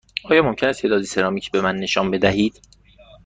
آیا ممکن است تعدادی سرامیک به من نشان بدهید؟